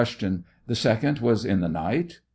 The second was in the night? A.